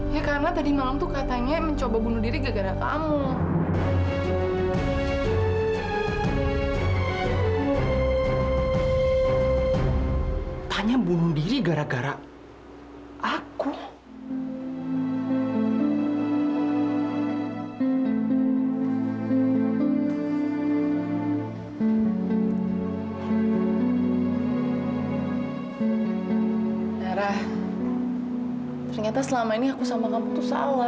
ya karena tadi malam tuh katanya mencoba bunuh diri gara gara kamu